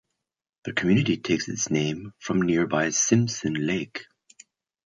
The community takes its name from nearby Simpson Creek.